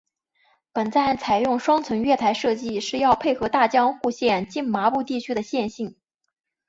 本站采用双层月台设计是要配合大江户线近麻布地区的线形。